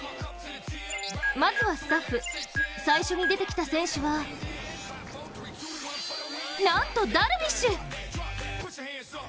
まずはスタッフ最初に出てきた選手はなんと、ダルビッシュ！